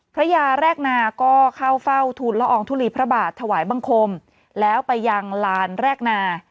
พระยาแรกนาก็เข้าเฝ้าทุนละอองทุลีพระบาทถวายบังคมแล้วไปยังลานแรกนา